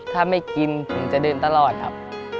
ถ้าไม่กินผมจะเดินตลอดครับ